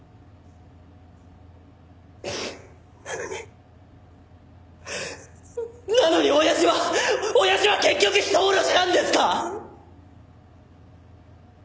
なのになのに親父は親父は結局人殺しなんですか！？